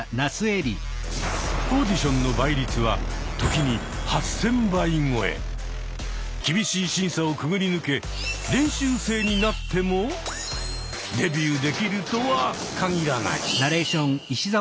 オーディションの倍率は時に厳しい審査をくぐり抜け練習生になってもデビューできるとは限らない。